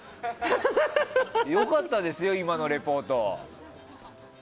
良かったですよ、今のリポート。